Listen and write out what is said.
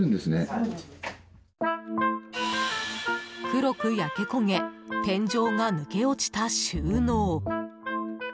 黒く焼け焦げ天井が抜け落ちた収納。